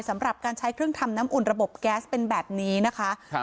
สำหรับการใช้เครื่องทำน้ำอุ่นระบบแก๊สเป็นแบบนี้นะคะครับ